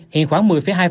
hiện khoảng một mươi hai